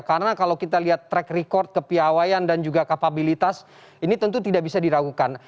karena kalau kita lihat track record kepiawayan dan juga kapabilitas ini tentu tidak bisa diragukan